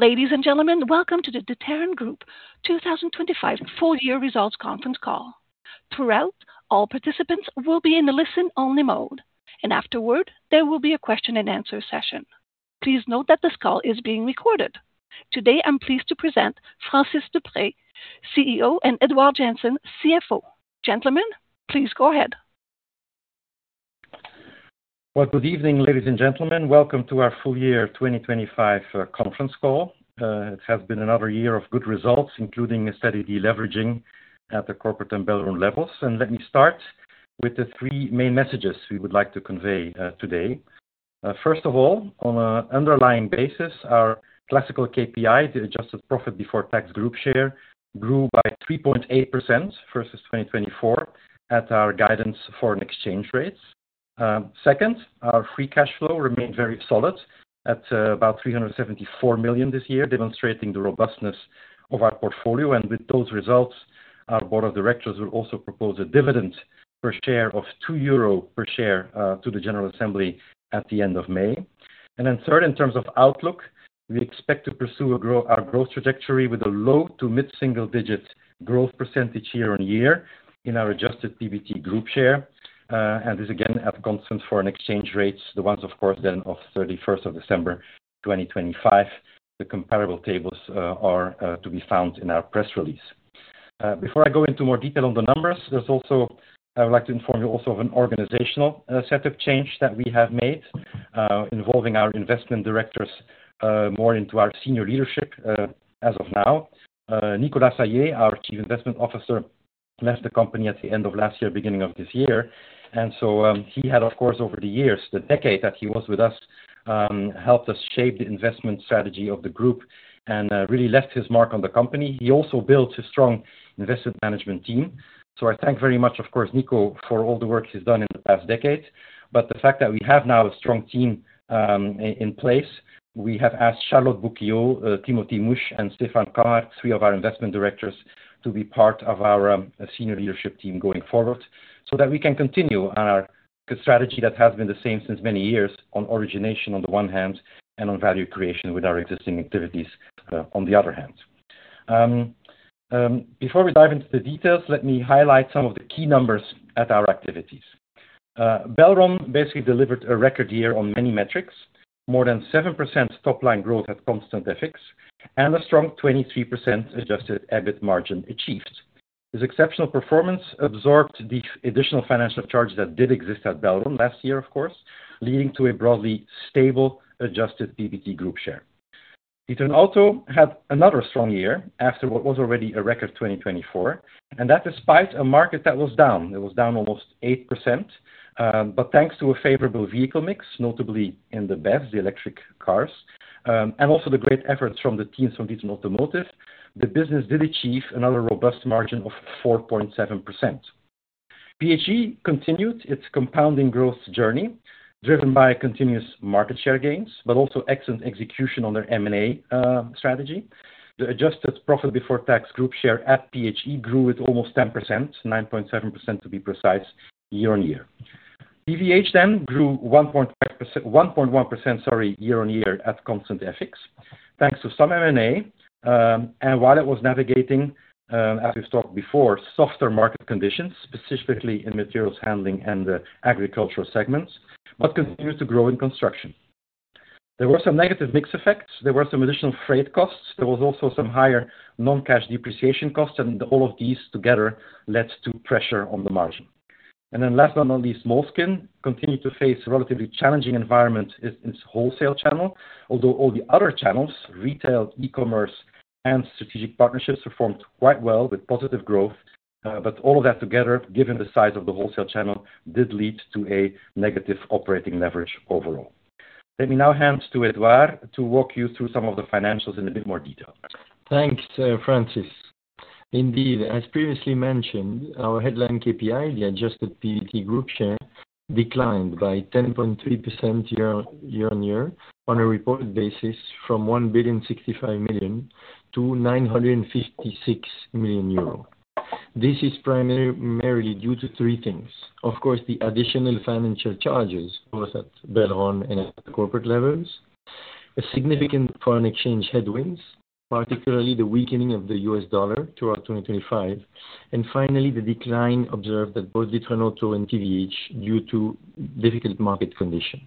Ladies and gentlemen, welcome to the D'Ieteren Group 2025 full year results conference call. Throughout, all participants will be in a listen-only mode, and afterward, there will be a question-and-answer session. Please note that this call is being recorded. Today, I'm pleased to present Francis Deprez, CEO, and Édouard Janssen, CFO. Gentlemen, please go ahead. Well, good evening, ladies and gentlemen. Welcome to our full year 2025 conference call. It has been another year of good results, including a steady deleveraging at the Corporate and Belron levels. Let me start with the three main messages we would like to convey today. First of all, on an underlying basis, our classic KPI, the adjusted profit before tax, Group's share, grew by 3.8% versus 2024 at our guidance foreign exchange rates. Second, our free cash flow remained very solid at about 374 million this year, demonstrating the robustness of our portfolio. With those results, our board of directors will also propose a dividend per share of 2 euro per share to the general assembly at the end of May. Third, in terms of outlook, we expect to pursue our growth trajectory with a low- to mid-single-digit growth percentage year-on-year in our adjusted PBT, Group's share. This again at constant foreign exchange rates, the ones of course then of 31st of December 2025. The comparable tables are to be found in our press release. Before I go into more detail on the numbers, there's also. I would like to inform you also of an organizational set of changes that we have made, involving our investment directors more into our senior leadership. As of now, Nicolas Saillez, our Chief Investment Officer, left the company at the end of last year, beginning of this year. He had, of course, over the years, the decade that he was with us, helped us shape the investment strategy of the group and, really left his mark on the company. He also built a strong investment management team. I thank very much, of course, Nico for all the work he's done in the past decade. The fact that we have now a strong team, in place, we have asked Charlotte Boucquéau, Timothy Muschs, and Stephan Cammaert, three of our investment directors, to be part of our, senior leadership team going forward so that we can continue on our strategy that has been the same since many years on origination on the one hand, and on value creation with our existing activities, on the other hand. Before we dive into the details, let me highlight some of the key numbers of our activities. Belron basically delivered a record year on many metrics. More than 7% top-line growth at constant FX and a strong 23% adjusted EBIT margin achieved. This exceptional performance absorbed the additional financial charges that did exist at Belron last year, of course, leading to a broadly stable adjusted PBT group share. D'Ieteren Auto had another strong year after what was already a record 2024, and that despite a market that was down. It was down almost 8%, but thanks to a favorable vehicle mix, notably in the BEVs, the electric cars, and also the great efforts from the teams from D'Ieteren Automotive, the business did achieve another robust margin of 4.7%. PHE continued its compounding growth journey, driven by continuous market share gains, but also excellent execution on their M&A strategy. The adjusted profit before tax, Group's share at PHE grew at almost 10%, 9.7% to be precise, year-on-year. TVH grew 1.1%, sorry, year-on-year at constant FX, thanks to some M&A, and while it was navigating, as we've talked before, softer market conditions, specifically in materials handling and the agricultural segments, but continued to grow in construction. There were some negative mix effects. There were some additional freight costs. There was also some higher non-cash depreciation costs, and all of these together led to pressure on the margin. Last but not least, Moleskine continued to face relatively challenging environment in its wholesale channel. Although all the other channels, retail, e-commerce, and strategic partnerships, performed quite well with positive growth. All of that together, given the size of the wholesale channel, did lead to a negative operating leverage overall. Let me now hand to Édouard to walk you through some of the financials in a bit more detail. Thanks, Francis. Indeed, as previously mentioned, our headline KPI, the adjusted PBT group share, declined by 10.3% year-on-year on a reported basis from 1,065 million to 956 million euro. This is primarily due to three things. Of course, the additional financial charges both at Belron and at the corporate levels, a significant foreign exchange headwinds, particularly the weakening of the U.S. dollar throughout 2025. Finally, the decline observed at both D'Ieteren Auto and TVH due to difficult market conditions.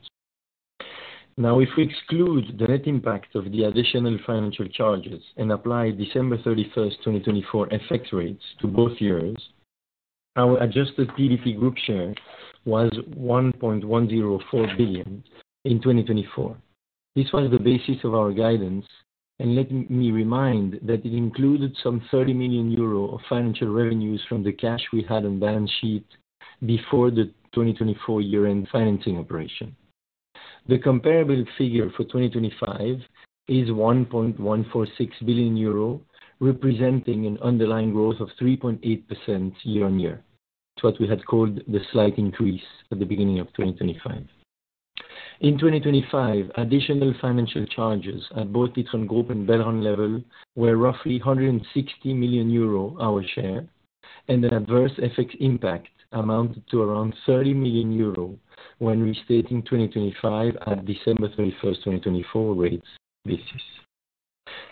Now, if we exclude the net impact of the additional financial charges and apply December 31st, 2024 FX rates to both years, our adjusted PBT group share was 1.104 billion in 2024. This was the basis of our guidance, and let me remind that it included some 30 million euro of financial revenues from the cash we had on balance sheet before the 2024 year-end financing operation. The comparable figure for 2025 is 1.146 billion euro, representing an underlying growth of 3.8% year-on-year. It's what we had called the slight increase at the beginning of 2025. In 2025, additional financial charges at both D'Ieteren Group and Belron level were roughly 160 million euro our share. An adverse FX impact amounted to around 30 million euro when restating 2025 at December 31st, 2024 rates basis.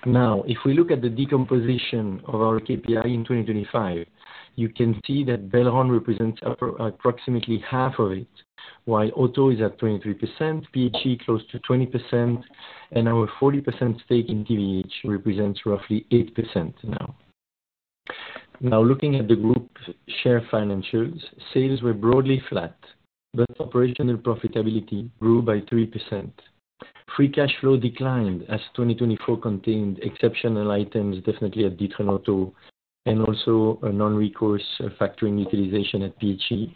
Now, if we look at the decomposition of our KPI in 2025, you can see that Belron represents approximately half of it, while Auto is at 23%, PHE close to 20%, and our 40% stake in TVH represents roughly 8% now. Now looking at the group share financials, sales were broadly flat, but operational profitability grew by 3%. Free cash flow declined as 2024 contained exceptional items, definitely at D'Ieteren Auto and also a non-recourse factoring utilization at PHE.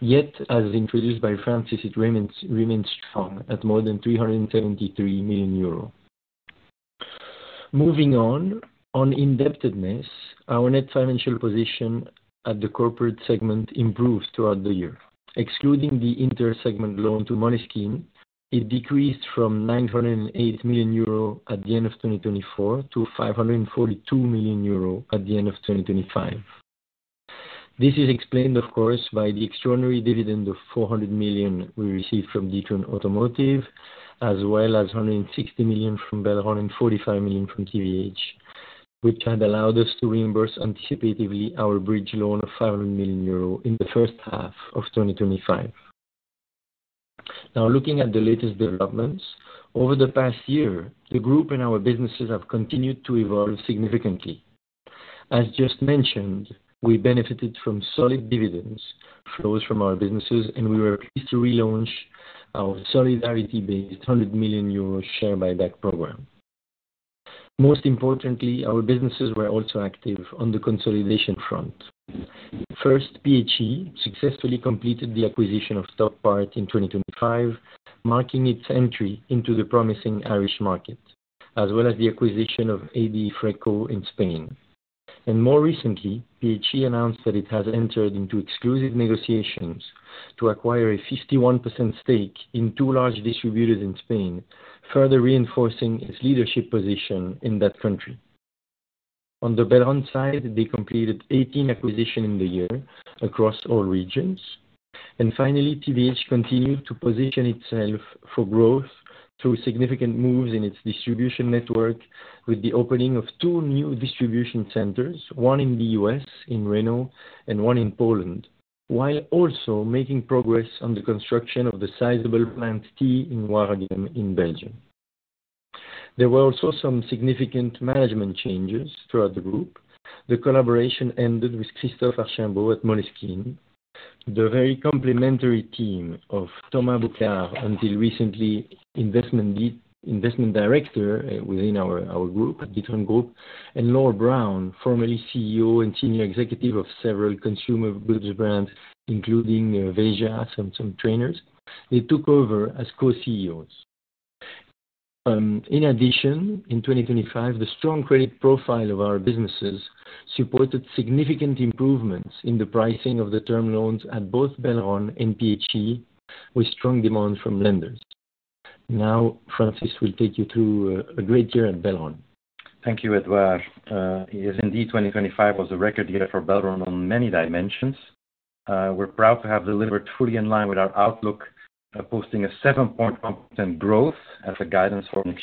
Yet, as introduced by Francis, it remains strong at more than 373 million euros. Moving on. On indebtedness, our net financial position at the corporate segment improves throughout the year. Excluding the inter-segment loan to Moleskine, it decreased from 908 million euro at the end of 2024 to 542 million euro at the end of 2025. This is explained, of course, by the extraordinary dividend of 400 million we received from D'Ieteren Automotive, as well as 160 million from Belron and 45 million from TVH, which had allowed us to reimburse anticipatively our bridge loan of 500 million euro in the first half of 2025. Now looking at the latest developments. Over the past year, the group and our businesses have continued to evolve significantly. As just mentioned, we benefited from solid dividends flows from our businesses, and we were pleased to relaunch our solidarity-based 100 million euro share buyback program. Most importantly, our businesses were also active on the consolidation front. First, PHE successfully completed the acquisition of Top Part in 2025, marking its entry into the promising Irish market, as well as the acquisition of AD Freco in Spain. More recently, PHE announced that it has entered into exclusive negotiations to acquire a 51% stake in two large distributors in Spain, further reinforcing its leadership position in that country. On the Belron side, they completed 18 acquisitions in the year across all regions. Finally, TVH continued to position itself for growth through significant moves in its distribution network with the opening of two new distribution centers, one in the U.S. in Reno and one in Poland, while also making progress on the construction of The very complementary team of Thomas Boucar, until recently, investment director within our group, at D'Ieteren Group, and Laure Browne, formerly CEO and senior executive of several consumer goods brands, including VEJA and some trainers. They took over as co-CEOs. In addition, in 2025, the strong credit profile of our businesses supported significant improvements in the pricing of the term loans at both Belron and PHE, with strong demand from lenders. Now, Francis will take you through a great year at Belron. Thank you, Édouard. Yes indeed, 2025 was a record year for Belron on many dimensions. We're proud to have delivered fully in line with our outlook, posting a 7.1% growth as per guidance, FX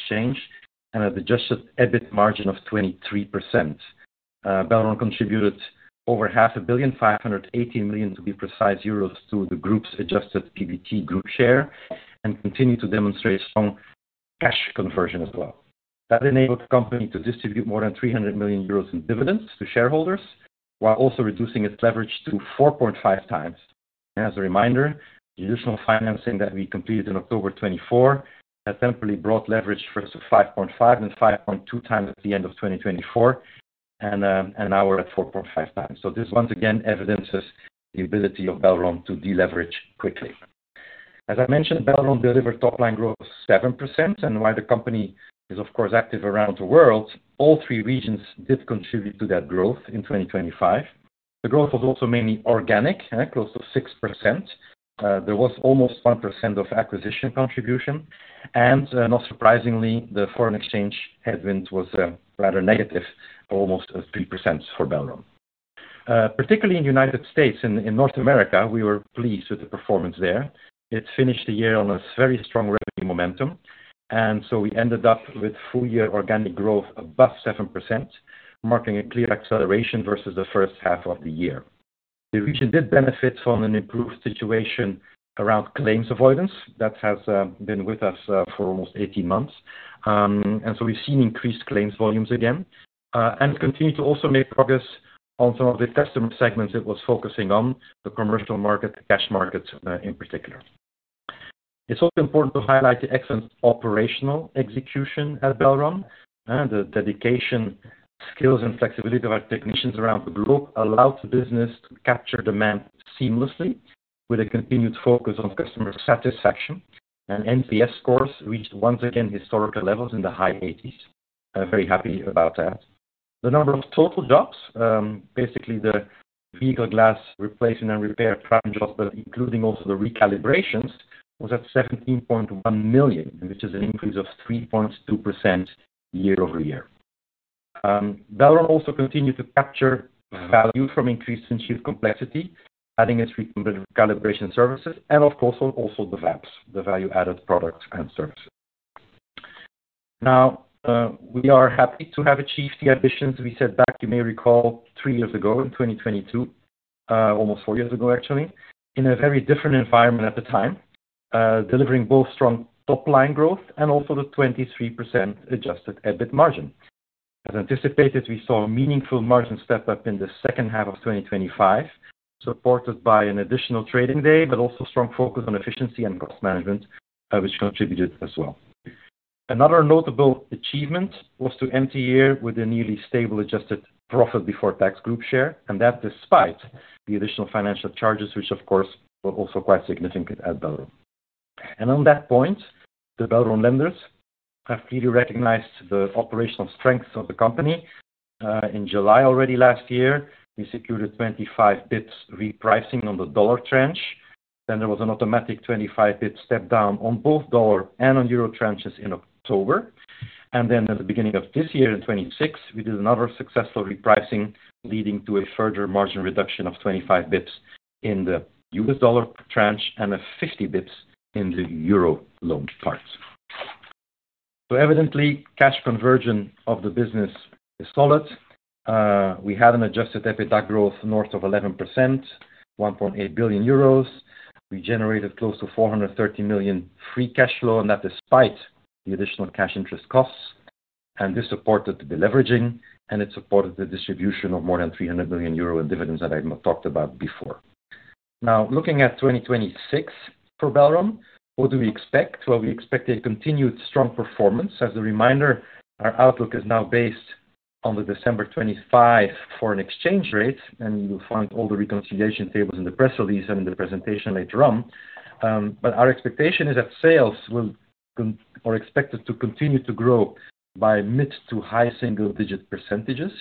and an adjusted EBIT margin of 23%. Belron contributed over half a billion, 580 million, to be precise, to the group's adjusted PBT, Group's share and continued to demonstrate strong cash conversion as well. That enabled the company to distribute more than 300 million euros in dividends to shareholders while also reducing its leverage to 4.5x. As a reminder, the additional financing that we completed in October 2024 had temporarily brought leverage first to 5.5x, then 5.2x at the end of 2024, and now we're at 4.5x. This once again evidences the ability of Belron to deleverage quickly. As I mentioned, Belron delivered top line growth of 7%. While the company is of course active around the world, all three regions did contribute to that growth in 2025. The growth was also mainly organic, close to 6%. There was almost 1% of acquisition contribution. Not surprisingly, the foreign exchange headwind was rather negative, almost 3% for Belron. Particularly in North America, we were pleased with the performance there. It finished the year on a very strong revenue momentum, and so we ended up with full year organic growth above 7%, marking a clear acceleration versus the first half of the year. The region did benefit from an improved situation around claims avoidance that has been with us for almost 18 months. We've seen increased claims volumes again, and continued to also make progress on some of the customer segments it was focusing on, the commercial market, the cash market, in particular. It's also important to highlight the excellent operational execution at Belron. The dedication, skills, and flexibility of our technicians around the globe allowed the business to capture demand seamlessly with a continued focus on customer satisfaction. NPS scores reached once again historical levels in the high 80s. I'm very happy about that. The number of total jobs, basically the vehicle glass replacing and repair frame jobs, but including also the recalibrations was at 17.1 million, which is an increase of 3.2% year-over-year. Belron also continued to capture value from increased insurance complexity, adding its recalibration services and of course, also the VAPS, the value-added products and services. Now, we are happy to have achieved the ambitions we set back, you may recall three years ago in 2022, almost four years ago actually, in a very different environment at the time, delivering both strong top-line growth and also the 23% adjusted EBIT margin. As anticipated, we saw a meaningful margin step up in the second half of 2025, supported by an additional trading day, but also strong focus on efficiency and cost management, which contributed as well. Another notable achievement was to end the year with a nearly stable adjusted profit before tax, Group's share, and that despite the additional financial charges, which of course were also quite significant at Belron. On that point, the Belron lenders have clearly recognized the operational strengths of the company. In July already last year, we secured a 25 basis points repricing on the dollar tranche. There was an automatic 25 basis points step down on both dollar and euro tranches in October. At the beginning of this year in 2026, we did another successful repricing, leading to a further margin reduction of 25 basis points in the U.S. dollar tranche and 50 basis points in the euro loan part. Evidently, cash conversion of the business is solid. We had an adjusted EBITDA growth north of 11%, 1.8 billion euros. We generated close to 430 million free cash flow, and that despite the additional cash interest costs. This supported the leveraging, and it supported the distribution of more than 300 million euro in dividends that I talked about before. Now, looking at 2026 for Belron, what do we expect? Well, we expect a continued strong performance. As a reminder, our outlook is now based on the December 2025 foreign exchange rate, and you'll find all the reconciliation tables in the press release and in the presentation later on. But our expectation is that sales are expected to continue to grow by mid- to high single-digit percentages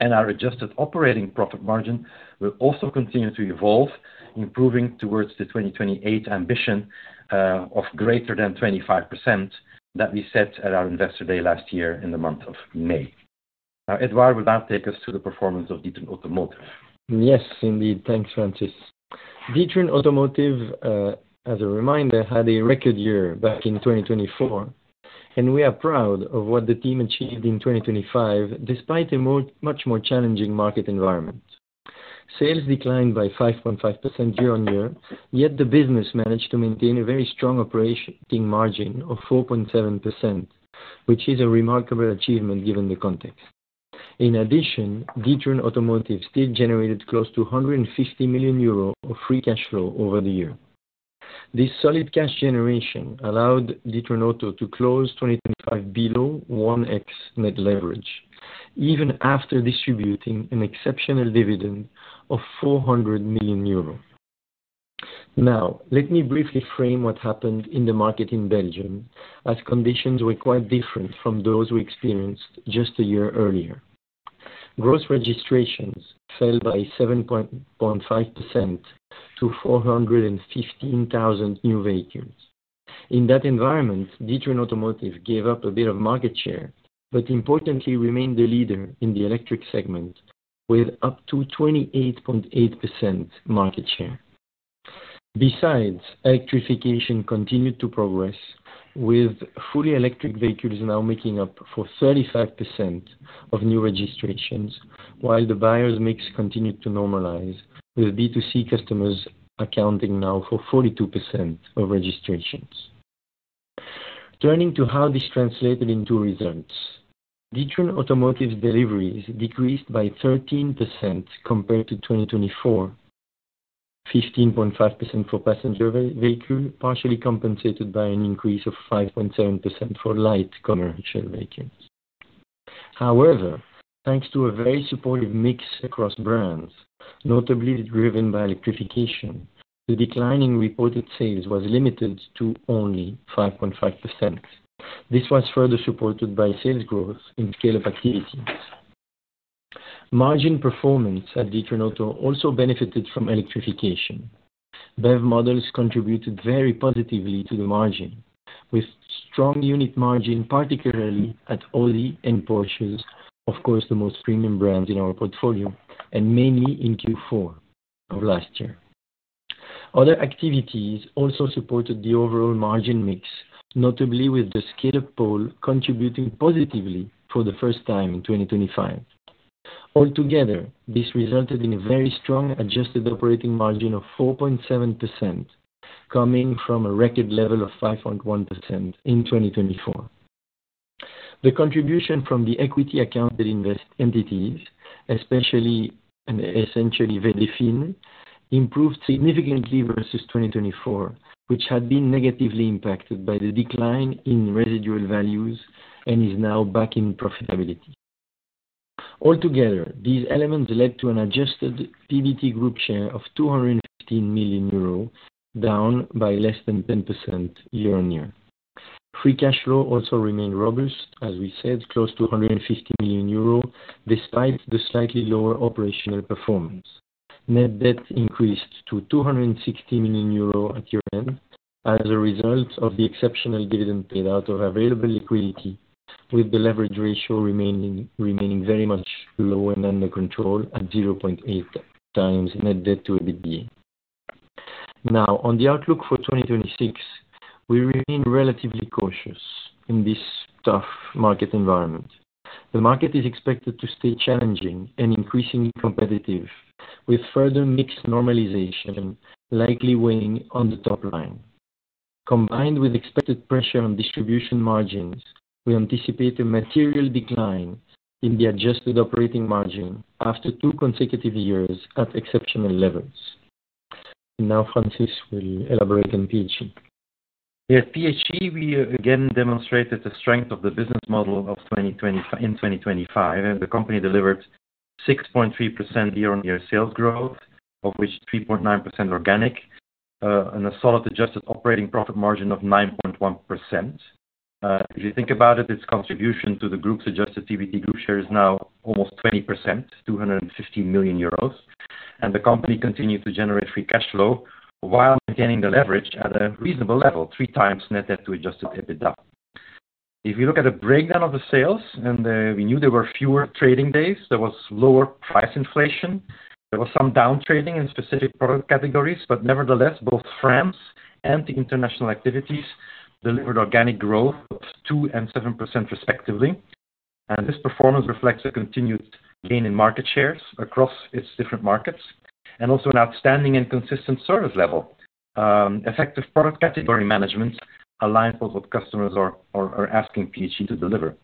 year-on-year. Our adjusted operating profit margin will also continue to evolve, improving towards the 2028 ambition of greater than 25% that we set at our Investor Day last year in May. Now, Édouard will now take us to the performance of D'Ieteren Automotive. Yes, indeed. Thanks, Francis. D'Ieteren Automotive, as a reminder, had a record year back in 2024, and we are proud of what the team achieved in 2025, despite a much more challenging market environment. Sales declined by 5.5% year-on-year, yet the business managed to maintain a very strong operating margin of 4.7%, which is a remarkable achievement given the context. In addition, D'Ieteren Automotive still generated close to 150 million euros of free cash flow over the year. This solid cash generation allowed D'Ieteren Auto to close 2025 below 1x net leverage, even after distributing an exceptional dividend of 400 million euro. Now, let me briefly frame what happened in the market in Belgium, as conditions were quite different from those we experienced just a year earlier. Gross registrations fell by 7.5% to 415,000 new vehicles. In that environment, D'Ieteren Automotive gave up a bit of market share, but importantly remained the leader in the electric segment with up to 28.8% market share. Besides, electrification continued to progress, with fully electric vehicles now making up for 35% of new registrations, while the buyers mix continued to normalize, with B2C customers accounting now for 42% of registrations. Turning to how this translated into results. D'Ieteren Automotive deliveries decreased by 13% compared to 2024. 15.5% for passenger vehicle, partially compensated by an increase of 5.7% for light commercial vehicles. However, thanks to a very supportive mix across brands, notably driven by electrification, the decline in reported sales was limited to only 5.5%. This was further supported by sales growth in scale-up activities. Margin performance at D'Ieteren Auto also benefited from electrification. BEV models contributed very positively to the margin, with strong unit margin, particularly at Audi and Porsches, of course, the most premium brands in our portfolio, and mainly in Q4 of last year. Other activities also supported the overall margin mix, notably with the scale up pole contributing positively for the first time in 2025. Altogether, this resulted in a very strong adjusted operating margin of 4.7%, coming from a record level of 5.1% in 2024. The contribution from the equity-accounted investees, especially and essentially Volkswagen D'Ieteren Finance, improved significantly versus 2024, which had been negatively impacted by the decline in residual values and is now back in profitability. Altogether, these elements led to an adjusted PBT group share of 215 million euro, down by less than 10% year-on-year. Free cash flow also remained robust, as we said, close to 150 million euro, despite the slightly lower operational performance. Net debt increased to 260 million euro at year-end as a result of the exceptional dividend paid out of available liquidity, with the leverage ratio remaining very much lower than the control at 0.8x net debt to EBITDA. Now, on the outlook for 2026, we remain relatively cautious in this tough market environment. The market is expected to stay challenging and increasingly competitive, with further mixed normalization likely weighing on the top line. Combined with expected pressure on distribution margins, we anticipate a material decline in the adjusted operating margin after two consecutive years at exceptional levels. Now, Francis will elaborate on PHE. Yes. PHE, we again demonstrated the strength of the business model in 2024 in 2025, and the company delivered 6.3% year-on-year sales growth, of which 3.9% organic, and a solid adjusted operating profit margin of 9.1%. If you think about it, its contribution to the group's adjusted PBT group share is now almost 20%, 250 million euros. The company continued to generate free cash flow while maintaining the leverage at a reasonable level, 3x net debt to adjusted EBITDA. If you look at a breakdown of the sales, we knew there were fewer trading days, there was lower price inflation. There was some down trading in specific product categories, but nevertheless, both France and the international activities delivered organic growth of 2% and 7% respectively. This performance reflects a continued gain in market shares across its different markets and also an outstanding and consistent service level. Effective product category management aligns with what customers are asking PHE to deliver.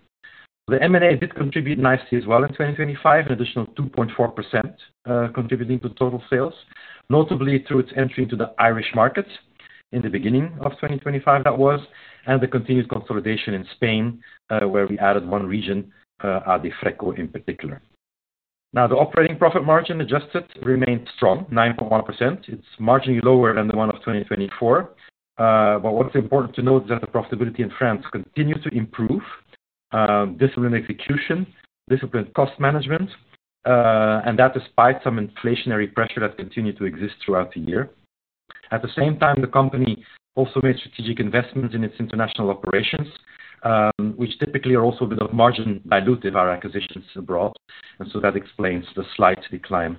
The M&A did contribute nicely as well in 2025, an additional 2.4%, contributing to total sales, notably through its entry into the Irish market in the beginning of 2025, and the continued consolidation in Spain, where we added one region, AD Freco in particular. Now, the adjusted operating profit margin remains strong, 9.1%. It's marginally lower than the one of 2024. But what's important to note is that the profitability in France continued to improve, disciplined execution, disciplined cost management, and that despite some inflationary pressure that continued to exist throughout the year. At the same time, the company also made strategic investments in its international operations, which typically are also a bit of margin dilutive, our acquisitions abroad. That explains the slight decline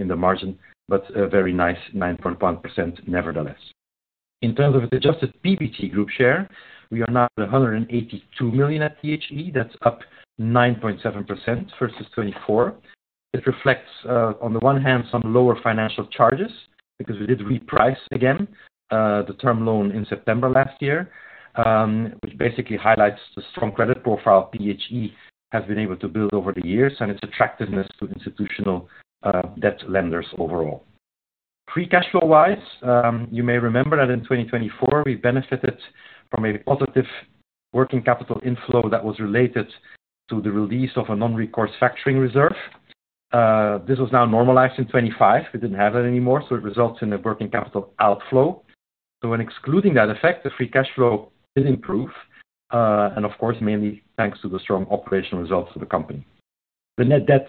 in the margin, but a very nice 9.1%, nevertheless. In terms of adjusted PBT group share, we are now at 182 million at PHE. That's up 9.7% versus 2024. It reflects on the one hand, some lower financial charges because we did reprice again the term loan in September last year, which basically highlights the strong credit profile PHE has been able to build over the years and its attractiveness to institutional debt lenders overall. Free cash flow-wise, you may remember that in 2024, we benefited from a positive working capital inflow that was related to the release of a non-recourse factoring reserve. This was now normalized in 2025. We didn't have it anymore, so it results in a working capital outflow. When excluding that effect, the free cash flow did improve, and of course, mainly thanks to the strong operational results of the company. The net debt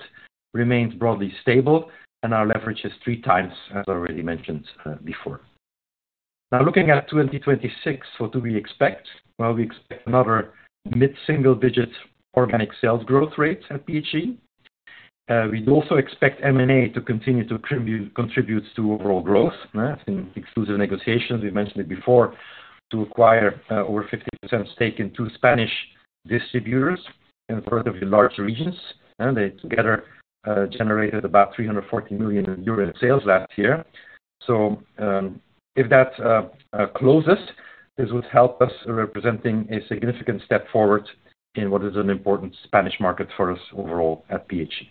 remains broadly stable, and our leverage is 3x, as already mentioned, before. Now looking at 2026, what do we expect? Well, we expect another mid-single-digit organic sales growth rate at PHE. We'd also expect M&A to continue to contribute to overall growth. In exclusive negotiations, we've mentioned it before, to acquire, over 50% stake in two Spanish distributors in relatively large regions. They together generated about 340 million euros in sales last year. If that closes, this would help us representing a significant step forward in what is an important Spanish market for us overall at PHE.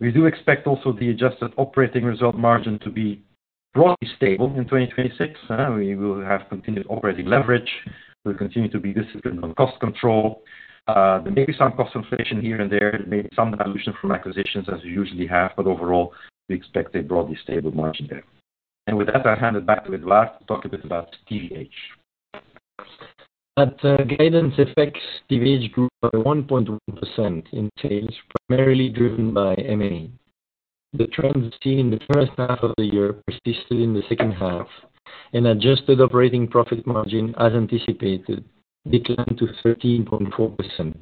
We do expect also the adjusted operating result margin to be broadly stable in 2026. We will have continued operating leverage. We'll continue to be disciplined on cost control. There may be some cost inflation here and there. There may be some dilution from acquisitions as we usually have, but overall, we expect a broadly stable margin there. With that, I hand it back to Édouard to talk a bit about TVH. At constant FX, TVH grew by 1.1% in sales, primarily driven by M&A. The trends seen in the first half of the year persisted in the second half, and adjusted operating profit margin, as anticipated, declined to 13.4%.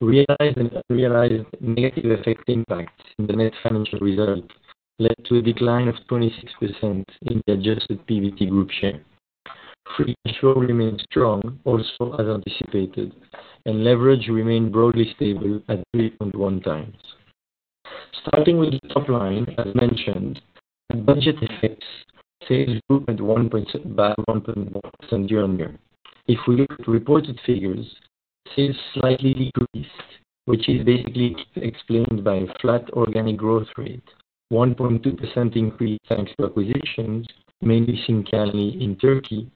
Realized and unrealized negative FX impacts in the net financial result led to a decline of 26% in the adjusted PBT group share. Free cash flow remains strong, also as anticipated, and leverage remained broadly stable at 3.1x. Starting with the top line, as mentioned, at constant FX, sales grew by 1.1% year-on-year. If we look at reported figures, sales slightly decreased, which is basically explained by flat organic growth rate, 1.2% increase thanks to acquisitions, mainly Sincanli in Turkey,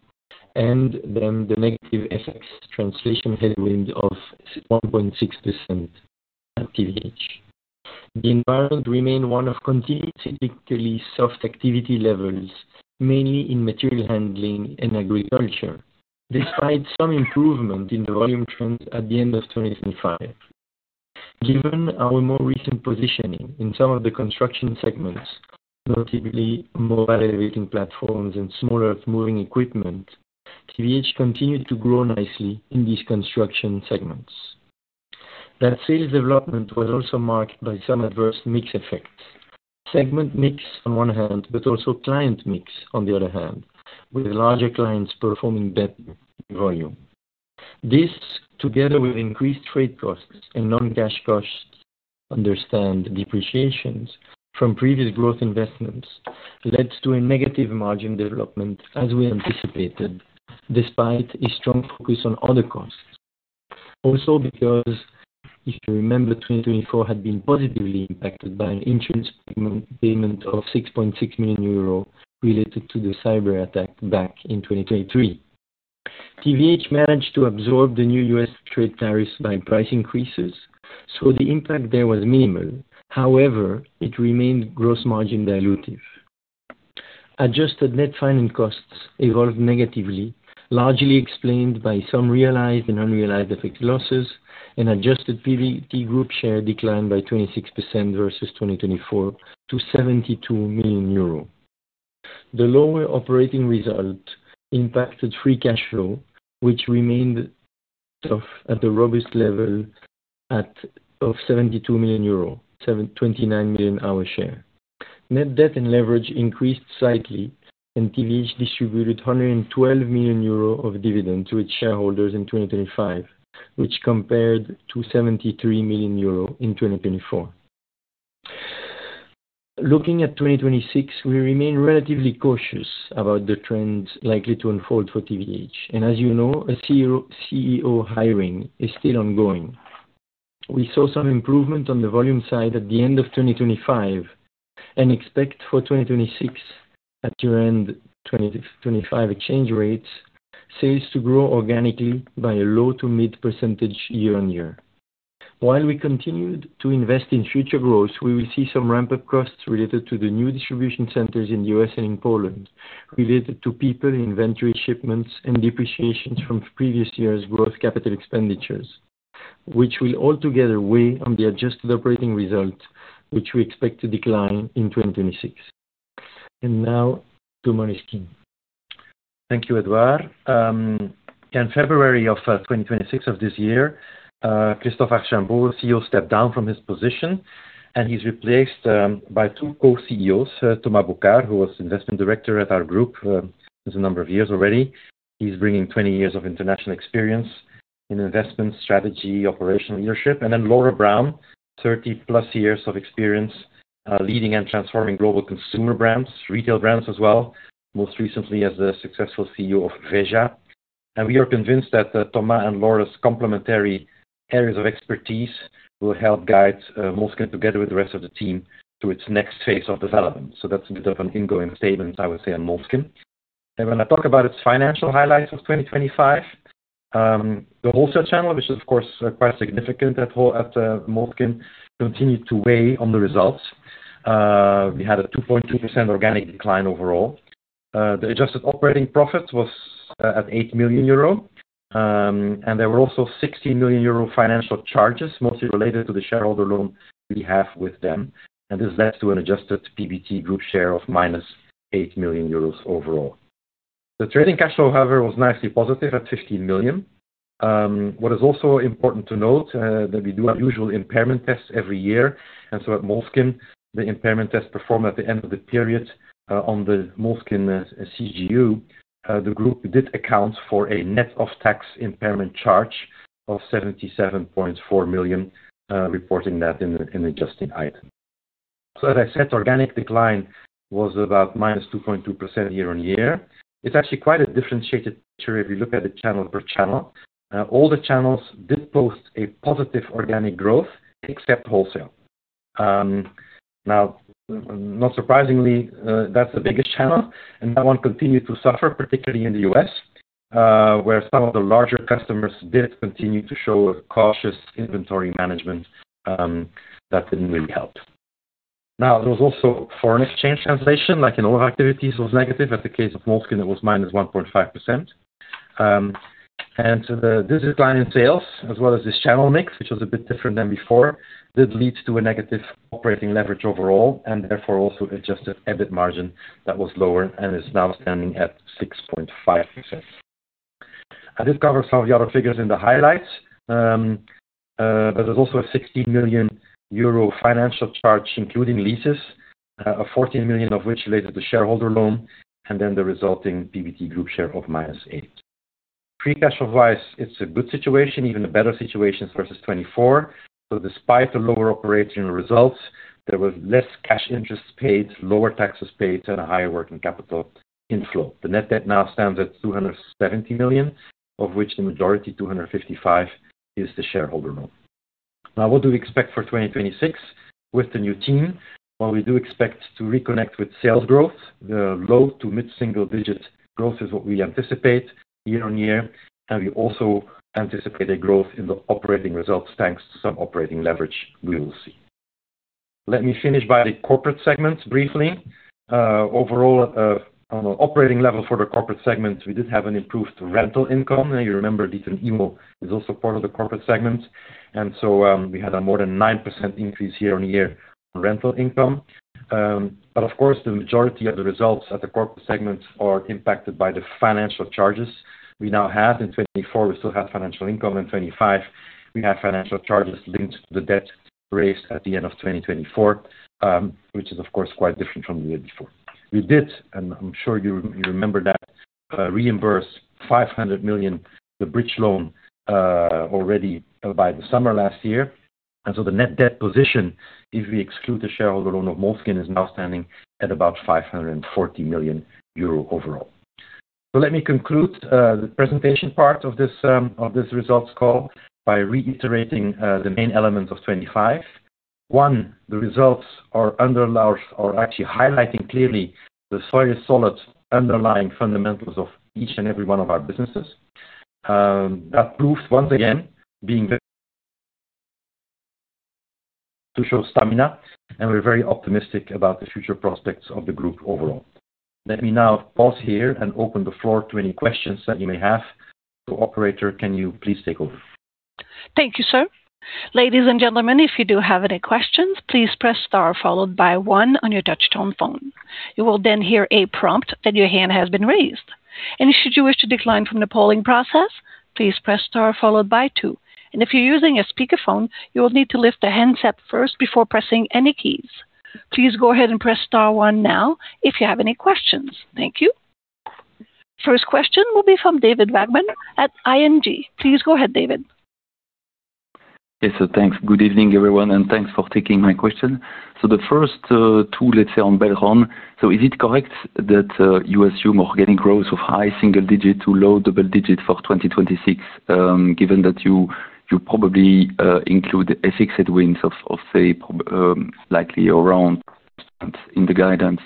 and then the negative FX translation headwind of 1.6% at TVH. The environment remained one of continuously soft activity levels, mainly in material handling and agriculture. Despite some improvement in the volume trends at the end of 2025. Given our more recent positioning in some of the construction segments, notably mobile elevating platforms and smaller moving equipment, TVH continued to grow nicely in these construction segments. That sales development was also marked by some adverse mix effects. Segment mix on one hand, but also client mix on the other hand, with larger clients performing better volume. This, together with increased trade costs and non-cash costs, including depreciations from previous growth investments, led to a negative margin development as we anticipated, despite a strong focus on other costs. Because if you remember, 2024 had been positively impacted by an insurance payment of 6.6 million euro related to the cyber attack back in 2023. TVH managed to absorb the new U.S. trade tariffs by price increases, so the impact there was minimal. However, it remained gross margin dilutive. Adjusted net financing costs evolved negatively, largely explained by some realized and unrealized FX losses, and adjusted PBT, Group's share declined by 26% versus 2024 to 72 million euro. The lower operating result impacted free cash flow, which remained above the robust level of 72 million euro, 729 million our share. Net debt and leverage increased slightly, and TVH distributed 112 million euros of dividend to its shareholders in 2025, which compared to 73 million euros in 2024. Looking at 2026, we remain relatively cautious about the trends likely to unfold for TVH. As you know, CEO hiring is still ongoing. We saw some improvement on the volume side at the end of 2025, and expect for 2026 at year-end 2025 exchange rates, sales to grow organically by a low to mid-percentage year-on-year. While we continued to invest in future growth, we will see some ramp-up costs related to the new distribution centers in U.S. and in Poland related to people, inventory, shipments and depreciations from previous years growth capital expenditures, which will all together weigh on the adjusted operating result, which we expect to decline in 2026. Now to Moleskine. Thank you, Édouard. In February of 2026 of this year, Christophe Archambault, CEO, stepped down from his position, and he's replaced by two co-CEOs, Thomas Boucar, who was investment director at our group, there's a number of years already. He's bringing 20 years of international experience in investment strategy, operational leadership. Then Laure Browne, 30+ years of experience, leading and transforming global consumer brands, retail brands as well. Most recently as the successful CEO of VEJA. We are convinced that Thomas and Laure's complementary areas of expertise will help guide Moleskine together with the rest of the team to its next phase of development. That's a bit of an ingoing statement, I would say, on Moleskine. When I talk about its financial highlights of 2025, the wholesale channel, which is of course quite significant at Moleskine, continued to weigh on the results. We had a 2.2% organic decline overall. The adjusted operating profit was at 8 million euro. There were also 60 million euro financial charges, mostly related to the shareholder loan we have with them. This led to an adjusted PBT, Group's share of -8 million euros overall. The trading cash flow, however, was nicely positive at 15 million. What is also important to note that we do our usual impairment tests every year. At Moleskine, the impairment test performed at the end of the period, on the Moleskine CGU, the group did account for a net of tax impairment charge of 77.4 million, reporting that in the adjusting item. As I said, organic decline was about -2.2% year-on-year. It's actually quite a differentiated picture if you look at it channel per channel. All the channels did post a positive organic growth except wholesale. Now, not surprisingly, that's the biggest channel, and that one continued to suffer, particularly in the U.S., where some of the larger customers did continue to show a cautious inventory management, that didn't really help. There was also foreign exchange translation, like in all activities, was negative. In the case of Moleskine, it was -1.5%. This decline in sales as well as this channel mix, which was a bit different than before, did lead to a negative operating leverage overall and therefore also adjusted EBIT margin that was lower and is now standing at 6.5%. This covers some of the other figures in the highlights. But there's also a 60 million euro financial charge, including leases, 14 million of which related to shareholder loan and then the resulting PBT group share of -8 million. Free cash flow-wise, it's a good situation, even a better situation versus 2024. Despite the lower operating results, there was less cash interest paid, lower taxes paid, and a higher working capital inflow. The net debt now stands at 270 million, of which the majority, 255 million, is the shareholder loan. Now, what do we expect for 2026 with the new team? Well, we do expect to reconnect with sales growth. The low- to mid-single-digit growth is what we anticipate year-on-year. We also anticipate a growth in the operating results thanks to some operating leverage we will see. Let me finish by the corporate segments briefly. Overall, on an operating level for the corporate segment, we did have an improved rental income. You remember D'Ieteren Immo is also part of the corporate segment. We had a more than 9% increase year-on-year rental income. But of course, the majority of the results at the corporate segment are impacted by the financial charges we now have. In 2024, we still have financial income. In 2025, we have financial charges linked to the debt raised at the end of 2024, which is of course, quite different from the year before. We did, and I'm sure you remember that, reimbursed 500 million, the bridge loan, already by the summer last year. The net debt position, if we exclude the shareholder loan of Moleskine, is now standing at about 540 million euro overall. Let me conclude the presentation part of this results call by reiterating the main elements of 2025. One, the results are underpinned largely, or actually highlighting clearly the solid underlying fundamentals of each and every one of our businesses. That proves once again our ability to show stamina, and we're very optimistic about the future prospects of the group overall. Let me now pause here and open the floor to any questions that you may have. Operator, can you please take over? Thank you, sir. Ladies and gentlemen, if you do have any questions, please press star followed by one on your touch-tone phone. You will then hear a prompt that your hand has been raised. Should you wish to decline from the polling process, please press star followed by two. If you're using a speakerphone, you will need to lift the handset first before pressing any keys. Please go ahead and press star one now if you have any questions. Thank you. First question will be from David Vagman at ING. Please go ahead, David. Yes. Thanks. Good evening, everyone, and thanks for taking my question. The first two, let's say on Belron. Is it correct that you assume organic growth of high single digit to low double digit for 2026, given that you probably include FX headwinds of say likely around in the guidance?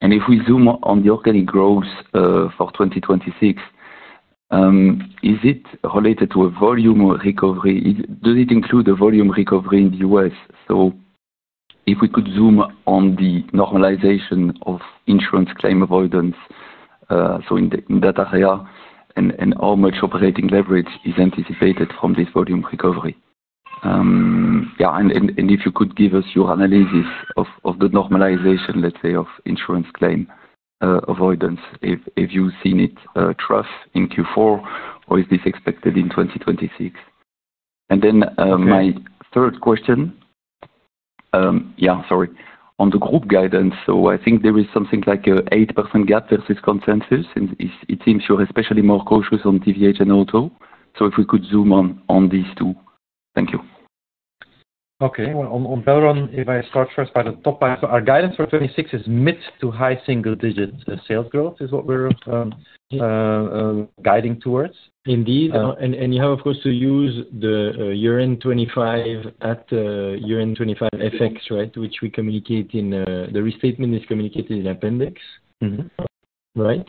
If we zoom on the organic growth for 2026, is it related to a volume recovery? Does it include a volume recovery in the U.S.? If we could zoom on the normalization of insurance claim avoidance, so in that area, and how much operating leverage is anticipated from this volume recovery. If you could give us your analysis of the normalization, let's say, of insurance claim avoidance, if you've seen it, trends in Q4, or is this expected in 2026? My third question, yeah, sorry. On the group guidance. I think there is something like an 8% gap versus consensus. It seems you're especially more cautious on TVH and Auto. If we could zoom on these two. Thank you. Okay. On Belron, if I start first by the top line. Our guidance for 2026 is mid- to high-single-digit sales growth, which is what we're guiding towards. Indeed. You have, of course, to use the year-end 2025 FX, right? Which we communicate in the restatement is communicated in appendix. Mm-hmm. Right?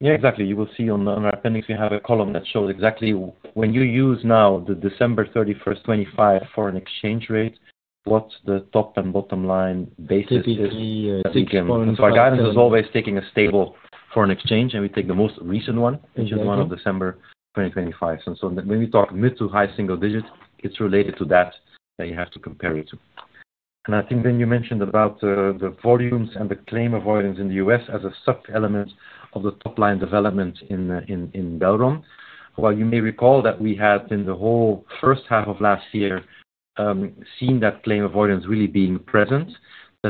Yeah, exactly. You will see on our appendix, we have a column that shows exactly when you use now the December 31st, 2025 foreign exchange rate, what's the top and bottom line basis is. Typically 6 points. Our guidance is always taking a stable foreign exchange, and we take the most recent one, which is the one of December 2025. When we talk mid to high single digits, it's related to that that you have to compare it to. I think then you mentioned about the volumes and the claim avoidance in the US as a sub element of the top line development in Belron. While you may recall that we had in the whole first half of last year seen that claim avoidance really being present.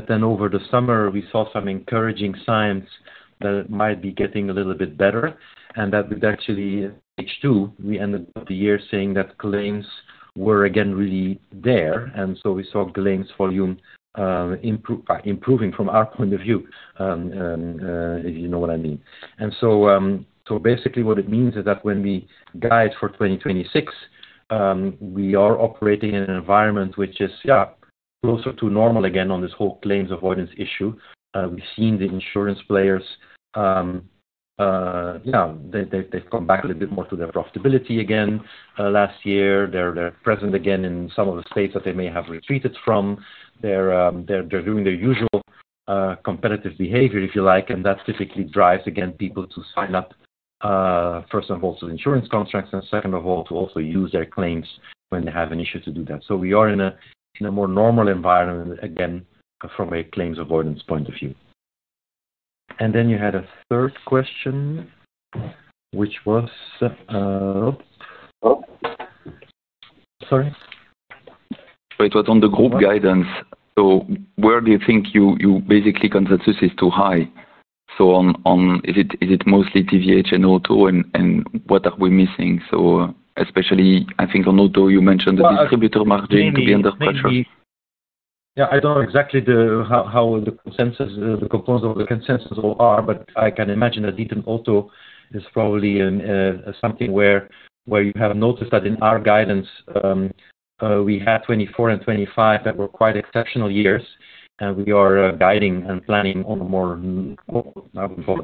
Then over the summer, we saw some encouraging signs that it might be getting a little bit better. That would actually stage two, we ended the year saying that claims were again really there. We saw claims volume improving from our point of view, if you know what I mean. Basically what it means is that when we guide for 2026, we are operating in an environment which is closer to normal again on this whole claims avoidance issue. We've seen the insurance players, they've come back a little bit more to their profitability again last year. They're present again in some of the states that they may have retreated from. They're doing their usual competitive behavior, if you like, and that typically drives, again, people to sign up, first and foremost, with insurance contracts, and second of all, to also use their claims when they have an issue to do that. We are in a more normal environment, again, from a claims avoidance point of view. Then you had a third question, which was. Sorry. It was on the group guidance. Where do you think you basically consensus is too high. On, is it mostly TVH and Auto, and what are we missing? Especially I think on Auto, you mentioned the distributor margin to be under pressure. Yeah, I don't know exactly how the consensus, the components of the consensus are, but I can imagine that D'Ieteren Auto is probably something where you have noticed that in our guidance we had 2024 and 2025 that were quite exceptional years. We are guiding and planning on a more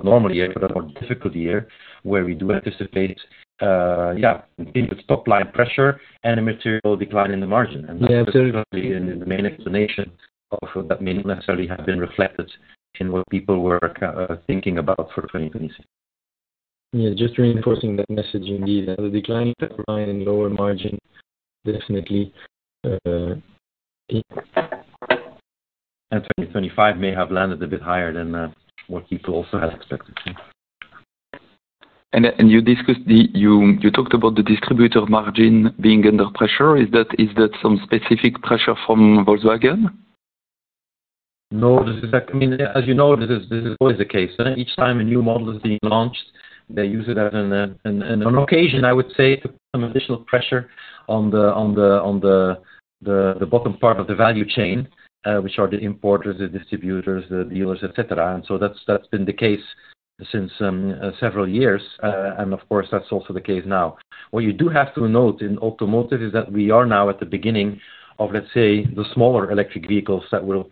normalized year, but a more difficult year where we do anticipate top line pressure and a material decline in the margin. That's probably the main explanation why that may not necessarily have been reflected in what people were thinking about for 2026. Yeah. Just reinforcing that message indeed. The decline in lower margin, definitely. 2025 may have landed a bit higher than what people also had expected. You talked about the distributor margin being under pressure. Is that some specific pressure from Volkswagen? No. I mean, as you know, this is always the case. Each time a new model is being launched, they use it as an occasion, I would say to put some additional pressure on the bottom part of the value chain, which are the importers, the distributors, the dealers, et cetera. That's been the case since several years. Of course, that's also the case now. What you do have to note in automotive is that we are now at the beginning of, let's say, the smaller electric vehicles that will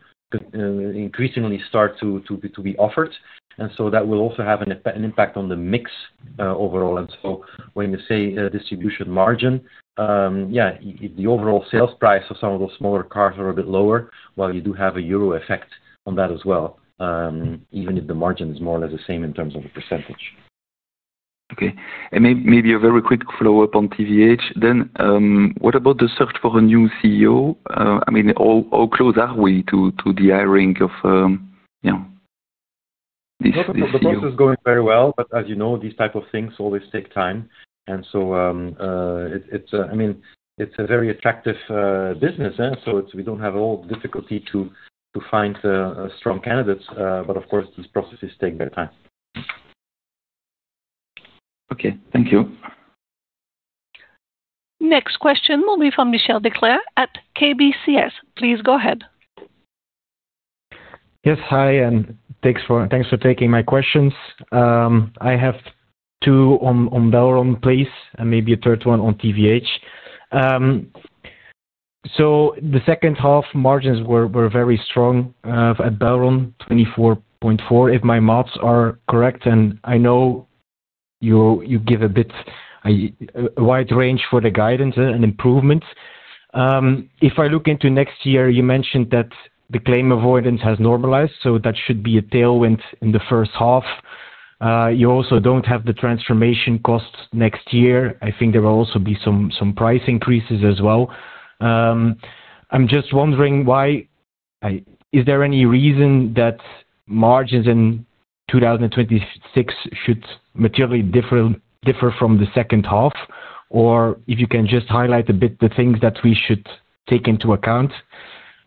increasingly start to be offered. That will also have an impact on the mix overall. When you say distribution margin, yeah, the overall sales price of some of those smaller cars are a bit lower. While you do have a euro effect on that as well, even if the margin is more or less the same in terms of the percentage. Okay. Maybe a very quick follow-up on TVH then. What about the search for a new CEO? I mean, how close are we to the hiring of, you know, this CEO? The process is going very well. As you know, these type of things always take time. I mean, it's a very attractive business. We don't have any difficulty to find strong candidates. Of course, these processes take their time. Okay, thank you. Next question will be from Michiel Declercq at KBC Securities. Please go ahead. Yes, hi, and thanks for taking my questions. I have two on Belron, please, and maybe a third one on TVH. The second half margins were very strong at Belron, 24.4%, if my math is correct. I know you give a bit a wide range for the guidance and improvements. If I look into next year, you mentioned that the claim avoidance has normalized, so that should be a tailwind in the first half. You also don't have the transformation costs next year. I think there will also be some price increases as well. I'm just wondering why. Is there any reason that margins in 2026 should materially differ from the second half? Or if you can just highlight a bit the things that we should take into account.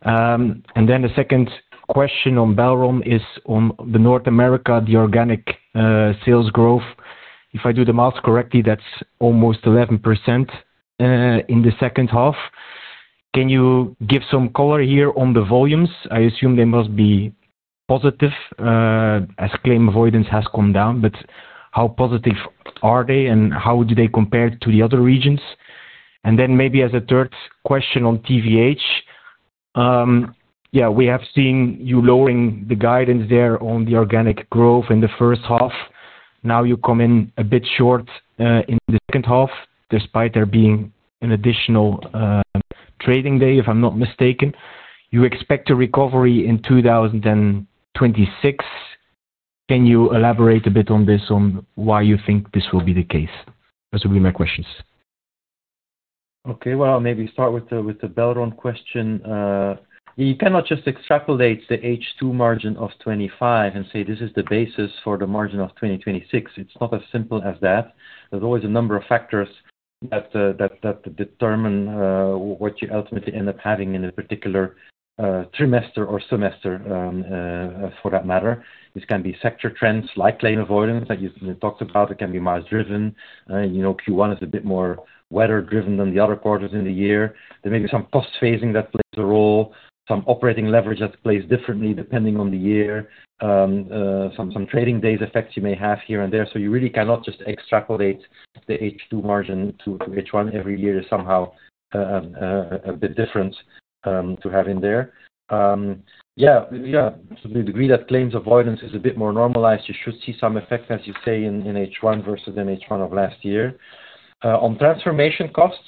The second question on Belron is on North America, the organic sales growth. If I do the math correctly, that's almost 11% in the second half. Can you give some color here on the volumes? I assume they must be positive as claim avoidance has come down. But how positive are they, and how do they compare to the other regions? Maybe as a third question on TVH. Yeah, we have seen you lowering the guidance there on the organic growth in the first half. Now you come in a bit short in the second half, despite there being an additional trading day, if I'm not mistaken. You expect a recovery in 2026. Can you elaborate a bit on this, on why you think this will be the case? Those will be my questions. Okay. Well, maybe start with the Belron question. You cannot just extrapolate the H2 margin of 25% and say, this is the basis for the margin of 2026. It's not as simple as that. There's always a number of factors that determine what you ultimately end up having in a particular quarter or semester, for that matter. This can be sector trends like claim avoidance that you talked about. It can be miles driven. You know, Q1 is a bit more weather driven than the other quarters in the year. There may be some cost phasing that plays a role, some operating leverage that plays differently depending on the year. Some trading days effects you may have here and there. You really cannot just extrapolate the H2 margin to H1. Every year is somehow a bit different to have in there. To the degree that claims avoidance is a bit more normalized, you should see some effect, as you say, in H1 versus H1 of last year. On transformation costs,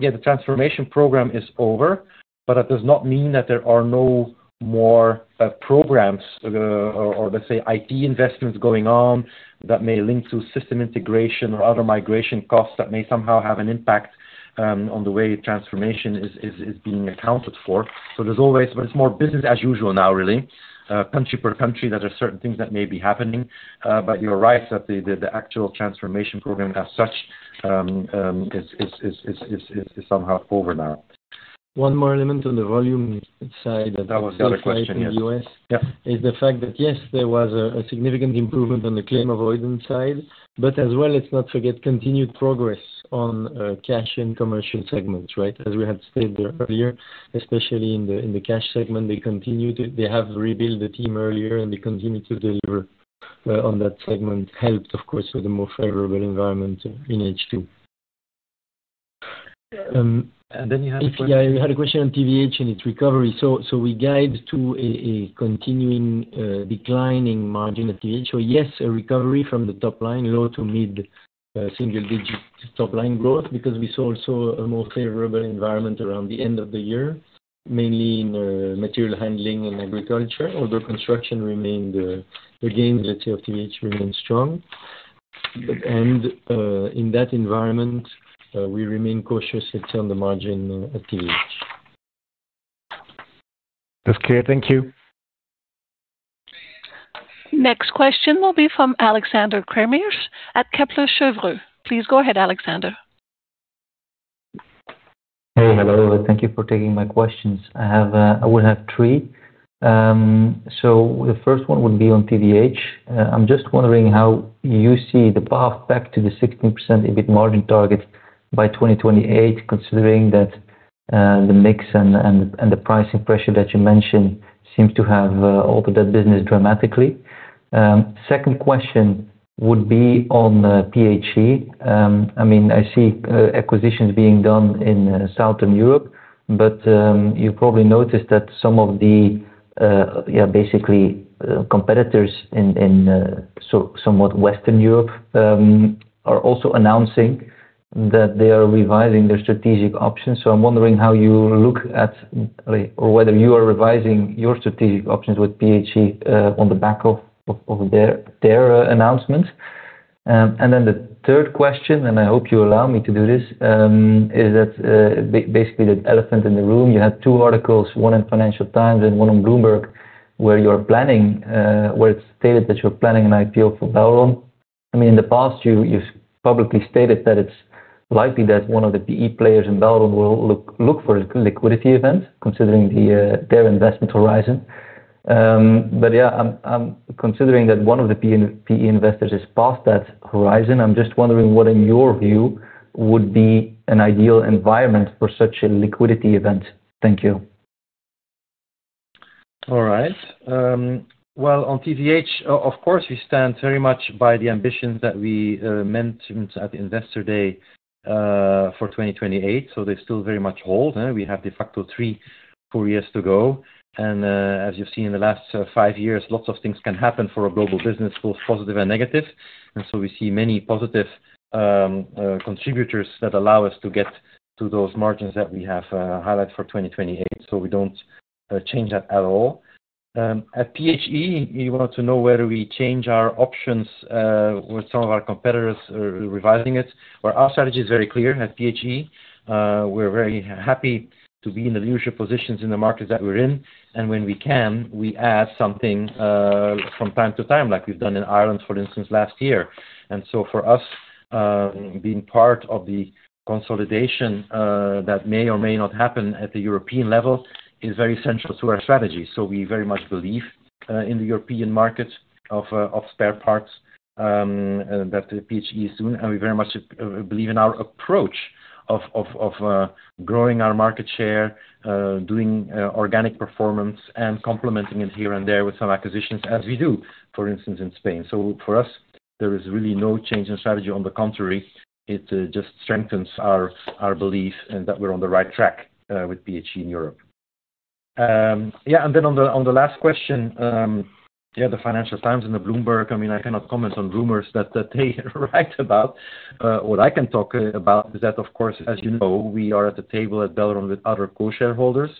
yeah, the transformation program is over, but that does not mean that there are no more programs or let's say, IT investments going on that may link to system integration or other migration costs that may somehow have an impact on the way transformation is being accounted for. There's always. It's more business as usual now, really. Country per country, there are certain things that may be happening. You're right that the actual transformation program as such is somehow over now. One more element on the volume side. That was the other question, yes. In the U.S. Yeah. Is the fact that, yes, there was a significant improvement on the claim avoidance side, but as well, let's not forget continued progress on cash and commercial segments, right? As we had stated earlier, especially in the cash segment, they have rebuilt the team earlier, and they continue to deliver on that segment. Helped, of course, with a more favorable environment in H2. You had a question. Yeah, we had a question on TVH and its recovery. We guide to a continuing declining margin at TVH. Yes, a recovery from the top line, low- to mid-single-digit top line growth because we saw also a more favorable environment around the end of the year, mainly in material handling and agriculture. Although construction remained again, let's say TVH remained strong. In that environment, we remain cautious until the margin at TVH. That's clear. Thank you. Next question will be from Alexander Craeymeersch at Kepler Cheuvreux. Please go ahead, Alexander. Hey, hello. Thank you for taking my questions. I have. I will have three. The first one would be on TVH. I'm just wondering how you see the path back to the 16% EBIT margin target by 2028, considering that the mix and the pricing pressure that you mentioned seems to have altered that business dramatically. Second question would be on PHE. I mean, I see acquisitions being done in Southern Europe, but you probably noticed that some of the basically competitors in somewhat Western Europe are also announcing that they are revising their strategic options. I'm wondering how you look at or whether you are revising your strategic options with PHE on the back of their announcement. The third question, and I hope you allow me to do this, is basically the elephant in the room. You had two articles, one in Financial Times and one on Bloomberg, where it's stated that you're planning an IPO for Belron. I mean, in the past you've publicly stated that it's likely that one of the PE players in Belron will look for a liquidity event considering their investment horizon. Yeah, I'm considering that one of the PE investors is past that horizon. I'm just wondering what in your view would be an ideal environment for such a liquidity event. Thank you. All right. Well, on TVH, of course, we stand very much by the ambitions that we mentioned at Investor Day for 2028. They still very much hold. We have de facto three, four years to go. As you've seen in the last five years, lots of things can happen for a global business, both positive and negative. We see many positive contributors that allow us to get to those margins that we have highlighted for 2028. We don't change that at all. At PHE, you want to know whether we change our options with some of our competitors revising it. Well, our strategy is very clear at PHE. We're very happy to be in the leadership positions in the markets that we're in, and when we can, we add something from time to time, like we've done in Ireland, for instance, last year. For us, being part of the consolidation that may or may not happen at the European level is very central to our strategy. We very much believe in the European market of spare parts that PHE is doing. We very much believe in our approach of growing our market share, doing organic performance and complementing it here and there with some acquisitions as we do, for instance, in Spain. For us, there is really no change in strategy. On the contrary, it just strengthens our belief and that we're on the right track with PHE in Europe. Yeah, then on the last question, the Financial Times and the Bloomberg, I mean, I cannot comment on rumors that they write about. What I can talk about is that of course, as you know, we are at the table at Belron with other co-shareholders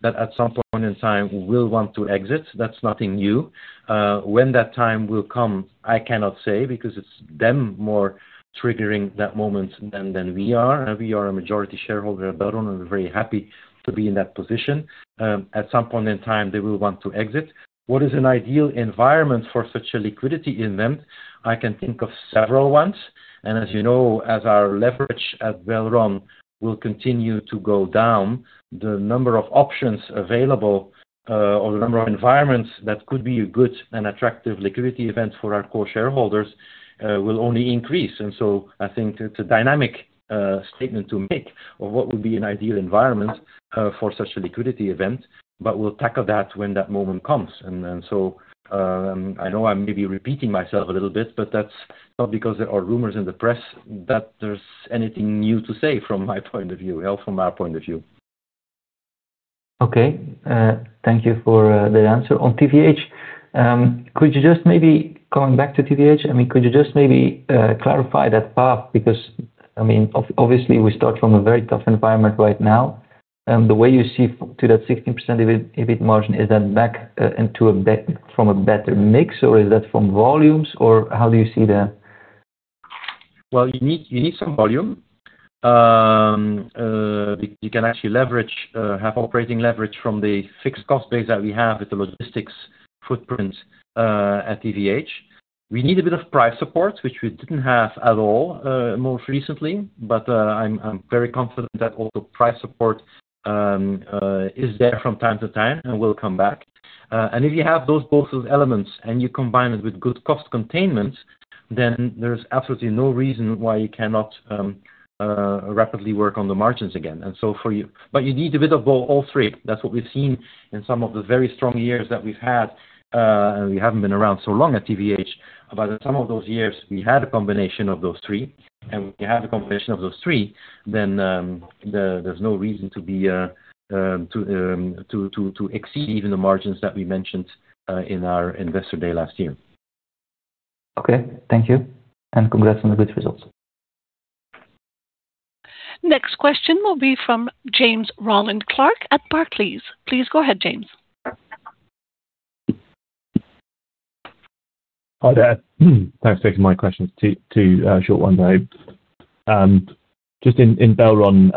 that at some point in time will want to exit. That's nothing new. When that time will come, I cannot say because it's them more triggering that moment than we are. We are a majority shareholder at Belron, and we're very happy to be in that position. At some point in time, they will want to exit. What is an ideal environment for such a liquidity event? I can think of several ones. As you know, as our leverage at Belron will continue to go down, the number of options available, or the number of environments that could be a good and attractive liquidity event for our core shareholders, will only increase. I think it's a dynamic statement to make of what would be an ideal environment for such a liquidity event, but we'll tackle that when that moment comes. I know I'm maybe repeating myself a little bit, but that's not because there are rumors in the press that there's anything new to say from my point of view or from our point of view. Okay. Thank you for the answer. On TVH, could you just clarify that path? Because, I mean, obviously, we start from a very tough environment right now. The way you see to that 16% EBIT margin, is that back into a better mix, or is that from volumes, or how do you see that? You need some volume. You can actually have operating leverage from the fixed cost base that we have with the logistics footprint at TVH. We need a bit of price support, which we didn't have at all most recently. I'm very confident that also price support is there from time to time and will come back. If you have both elements and you combine it with good cost containment, there's absolutely no reason why you cannot rapidly work on the margins again. You need a bit of both, all three. That's what we've seen in some of the very strong years that we've had. We haven't been around so long at TVH, but some of those years, we had a combination of those three. When we have a combination of those three, then there's no reason to exceed even the margins that we mentioned in our Investor Day last year. Okay. Thank you. Congrats on the good results. Next question will be from James Rowland Clark at Barclays. Please go ahead, James. Hi there. Thanks for taking my questions. Two short ones, I hope. Just in Belron,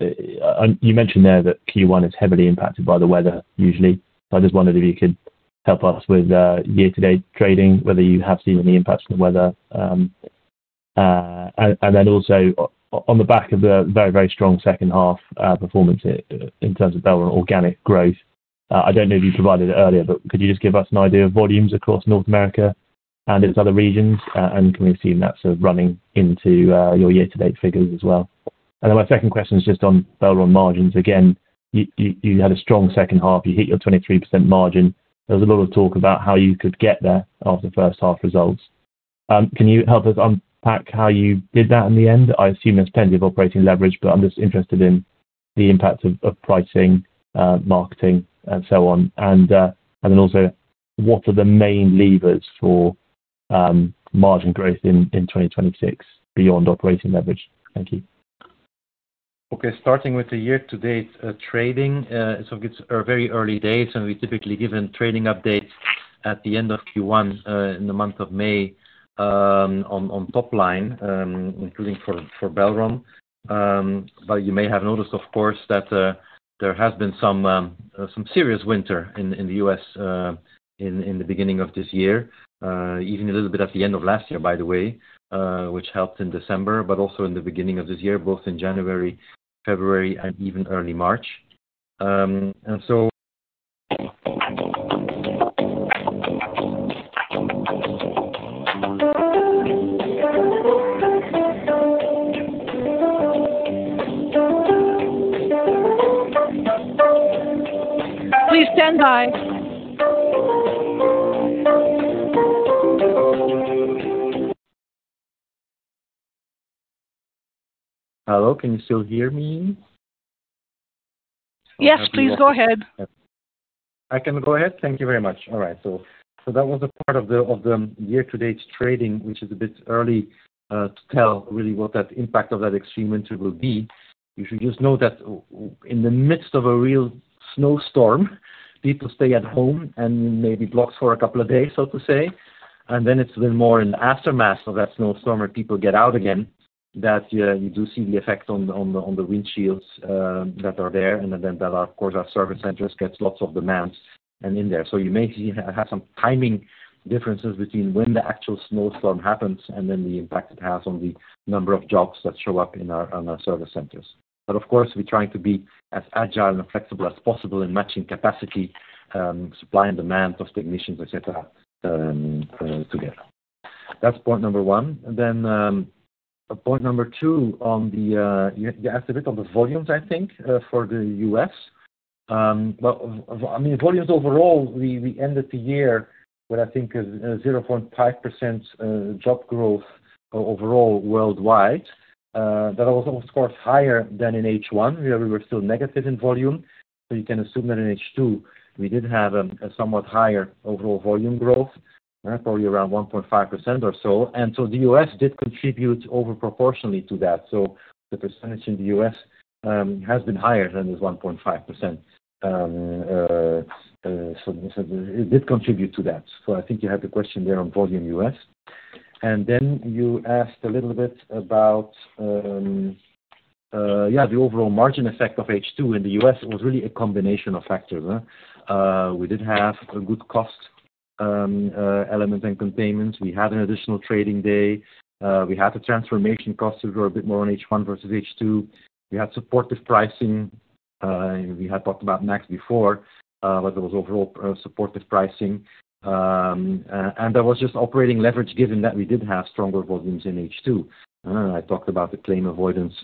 you mentioned there that Q1 is heavily impacted by the weather, usually. I just wondered if you could help us with year-to-date trading, whether you have seen any impacts from the weather. Then also on the back of the very strong second half performance in terms of Belron organic growth. I don't know if you provided it earlier, but could you just give us an idea of volumes across North America and its other regions, and can we assume that's sort of running into your year-to-date figures as well? My second question is just on Belron margins. Again, you had a strong second half. You hit your 23% margin. There was a lot of talk about how you could get there after first half results. Can you help us unpack how you did that in the end? I assume there's plenty of operating leverage, but I'm just interested in the impact of pricing, marketing and so on. Then also what are the main levers for margin growth in 2026 beyond operating leverage? Thank you. Okay. Starting with the year-to-date trading, so it's a very early date, and we typically give trading updates at the end of Q1 in the month of May, on top line, including for Belron. But you may have noticed, of course, that there has been some serious winter in the U.S. in the beginning of this year, even a little bit at the end of last year, by the way, which helped in December, but also in the beginning of this year, both in January, February, and even early March. Please stand by. Hello, can you still hear me? Yes, please go ahead. I can go ahead? Thank you very much. All right. That was a part of the year-to-date trading, which is a bit early to tell really what that impact of that extreme winter will be. You should just know that in the midst of a real snowstorm, people stay at home and maybe blocked for a couple of days, so to say. Then it's been more in the aftermath of that snowstorm where people get out again that you do see the effect on the windshields that are there. Then that, of course, our service centers gets lots of demands in there. You may see some timing differences between when the actual snowstorm happens and then the impact it has on the number of jobs that show up in our service centers. Of course, we're trying to be as agile and flexible as possible in matching capacity, supply and demand of technicians, etc., together. That's point number one. Point number two on the you asked a bit on the volumes, I think, for the U.S. Well, vis-à-vis overall, we ended the year with I think 0.5% job growth overall worldwide. That was of course higher than in H1, where we were still negative in volume. You can assume that in H2, we did have a somewhat higher overall volume growth, probably around 1.5% or so. The U.S. did contribute over proportionally to that. The percentage in the U.S. has been higher than this 1.5%. It did contribute to that. I think you have the question there on volume U.S. Then you asked a little bit about the overall margin effect of H2 in the U.S. was really a combination of factors. We did have a good cost element and containment. We had an additional trading day. We had the transformation costs that were a bit more on H1 versus H2. We had supportive pricing. We had talked about MAX before, but there was overall supportive pricing. And there was just operating leverage given that we did have stronger volumes in H2. I talked about the claim avoidance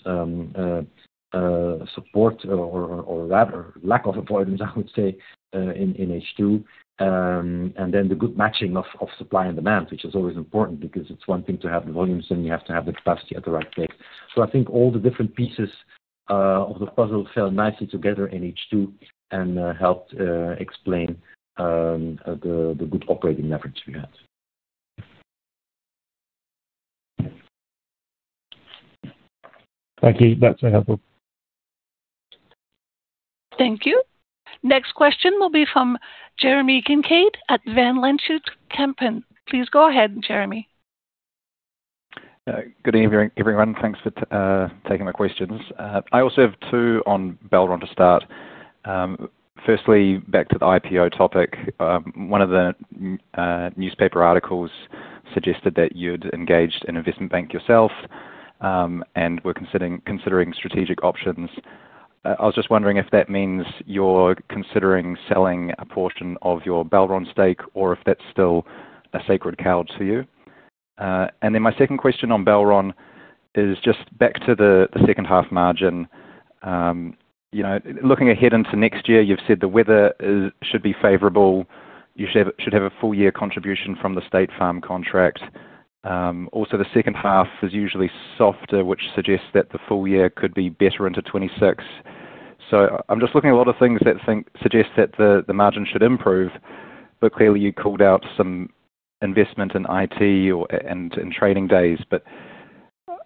support or rather lack of avoidance, I would say, in H2. The good matching of supply and demand, which is always important because it's one thing to have the volumes, and you have to have the capacity at the right place. I think all the different pieces of the puzzle fell nicely together in H2 and helped explain the good operating leverage we had. Thank you. That's helpful. Thank you. Next question will be from Jeremy Kincaid at Van Lanschot Kempen. Please go ahead, Jeremy. Good evening, everyone. Thanks for taking my questions. I also have two on Belron to start. Firstly, back to the IPO topic. One of the newspaper articles suggested that you'd engaged an investment bank yourself. We're considering strategic options. I was just wondering if that means you're considering selling a portion of your Belron stake or if that's still a sacred cow to you. My second question on Belron is just back to the second half margin. You know, looking ahead into next year, you've said the weather should be favorable. You should have a full year contribution from the State Farm contract. Also the second half is usually softer, which suggests that the full year could be better into 2026. I'm just looking at a lot of things that suggest that the margin should improve, but clearly, you called out some investment in IT and in trading days.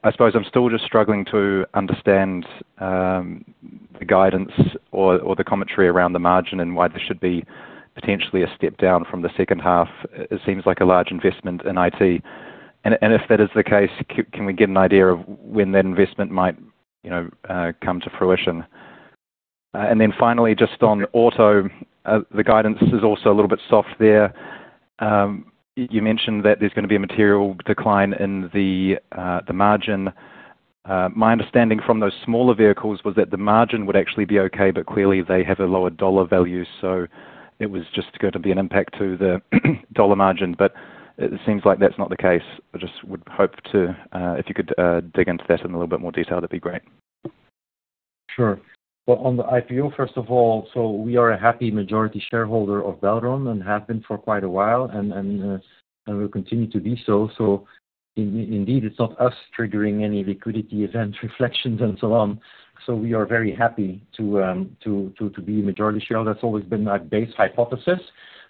I suppose I'm still just struggling to understand the guidance or the commentary around the margin and why there should be potentially a step down from the second half. It seems like a large investment in IT. If that is the case, can we get an idea of when that investment might, you know, come to fruition? Finally, just on auto, the guidance is also a little bit soft there. You mentioned that there's gonna be a material decline in the margin. My understanding from those smaller vehicles was that the margin would actually be okay, but clearly, they have a lower dollar value, so it was just going to be an impact to the dollar margin. It seems like that's not the case. I just would hope to, if you could, dig into that in a little bit more detail, that'd be great. Sure. Well, on the IPO, first of all, so we are a happy majority shareholder of Belron and have been for quite a while, and we'll continue to be so. Indeed, it's not us triggering any liquidity events, reflections and so on. We are very happy to be a majority shareholder. That's always been our base hypothesis.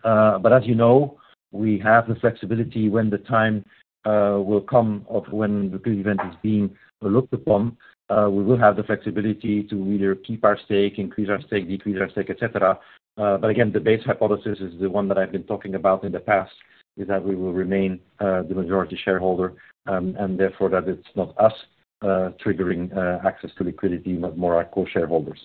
As you know, we have the flexibility when the time will come or when the good event is being looked upon, we will have the flexibility to either keep our stake, increase our stake, decrease our stake, etc. Again, the base hypothesis is the one that I've been talking about in the past, is that we will remain the majority shareholder and therefore that it's not us triggering access to liquidity, but more our co-shareholders.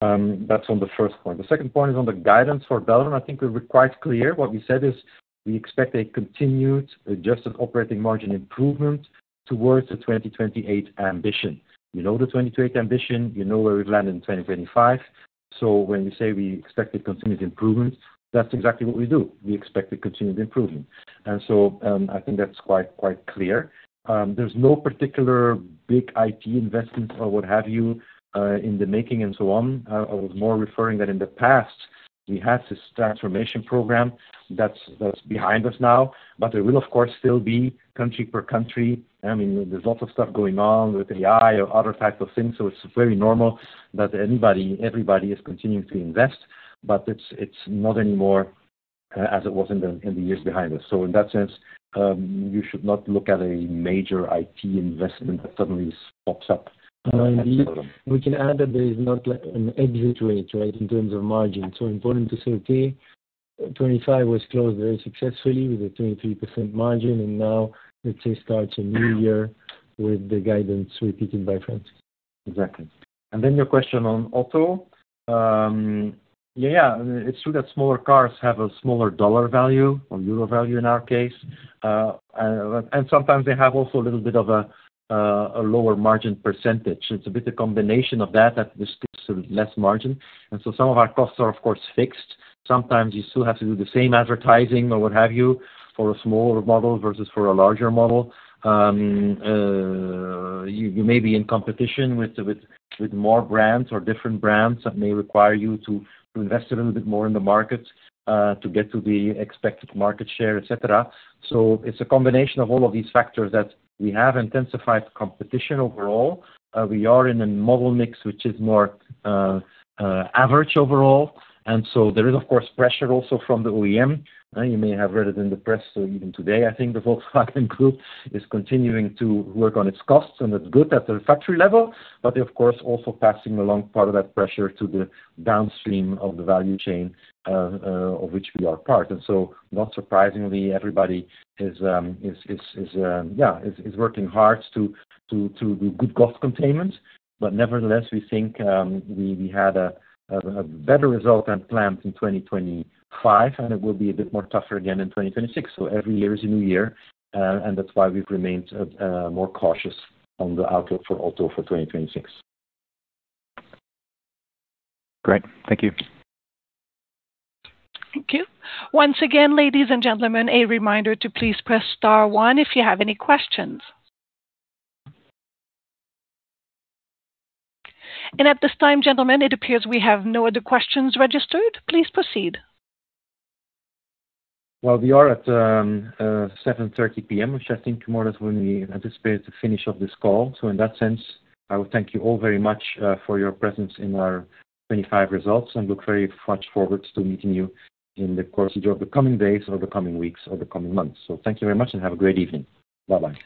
That's on the first point. The second point is on the guidance for Belron. I think we're quite clear. What we said is we expect a continued adjusted operating margin improvement towards the 2028 ambition. You know the 2028 ambition, you know where we've landed in 2025. When we say we expect a continued improvement, that's exactly what we do. We expect a continued improvement. I think that's quite clear. There's no particular big IT investment or what have you in the making and so on. I was more referring that in the past, we had this transformation program that's behind us now. There will, of course, still be country per country. I mean, there's lots of stuff going on with AI or other types of things. It's very normal that anybody, everybody is continuing to invest, but it's not anymore as it was in the years behind us. In that sense, you should not look at a major IT investment that suddenly pops up. We can add that there is not an exit rate, right, in terms of margin. Important to say, okay, 2025 was closed very successfully with a 23% margin, and now let's say starts a new year with the guidance repeated by Francis. Exactly. Then your question on auto. Yeah, it's true that smaller cars have a smaller dollar value or euro value in our case. Sometimes they have also a little bit of a lower margin percentage. It's a bit a combination of that there's less margin. So some of our costs are, of course, fixed. Sometimes you still have to do the same advertising or what have you for a smaller model versus for a larger model. You may be in competition with more brands or different brands that may require you to invest a little bit more in the market to get to the expected market share, etc. So it's a combination of all of these factors that we have intensified competition overall. We are in a model mix which is more average overall. There is, of course, pressure also from the OEM. You may have read it in the press even today, I think the Volkswagen Group is continuing to work on its costs, and that's good at the factory level, but of course, also passing along part of that pressure to the downstream of the value chain, of which we are part. Not surprisingly, everybody is working hard to do good cost containment. But nevertheless, we think we had a better result than planned in 2025, and it will be a bit more tougher again in 2026. Every year is a new year, and that's why we've remained more cautious on the outlook for Auto for 2026. Great. Thank you. Thank you. Once again, ladies and gentlemen, a reminder to please press star one if you have any questions. At this time, gentlemen, it appears we have no other questions registered. Please proceed. Well, we are at 7:30 P.M., which I think more or less when we anticipate the finish of this call. In that sense, I would thank you all very much for your presence in our 2025 results and look very much forward to meeting you in the course of the coming days or the coming weeks or the coming months. Thank you very much and have a great evening. Bye-bye.